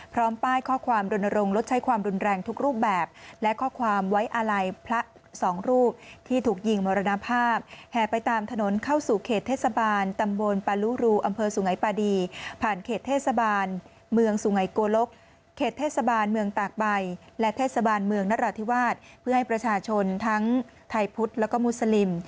พร้อมป้ายข้อความรณรงคลดใช้ความรุนแรงทุกรูปแบบและข้อความไว้อาลัยพระสองรูปที่ถูกยิงมรณภาพแห่ไปตามถนนเข้าสู่เขตเทศบาลตำบลปาลุรูอำเภอสุงัยปาดีผ่านเขตเทศบาลเมืองสุไงโกลกเขตเทศบาลเมืองตากใบและเทศบาลเมืองนราธิวาสเพื่อให้ประชาชนทั้งไทยพุทธแล้วก็มุสลิม